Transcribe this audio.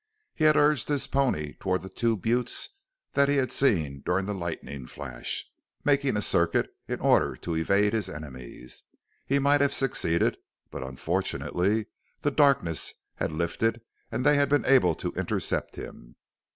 He had urged his pony toward the two buttes that he had seen during the lightning flash, making a circuit in order to evade his enemies. He might have succeeded, but unfortunately the darkness had lifted and they had been able to intercept him.